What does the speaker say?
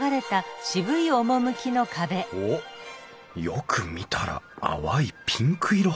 おっよく見たら淡いピンク色。